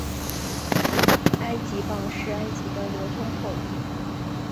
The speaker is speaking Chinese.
埃及镑是埃及的流通货币。